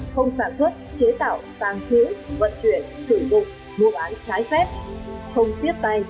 không sản xuất chế tạo tàng trữ vận chuyển sử dụng mua bán trái phép không tiếp tay